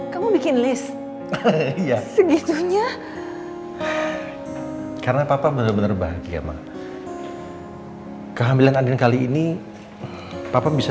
kamu bikin list ya segitunya karena papa bener bener bahagia kehamilan andin kali ini papa bisa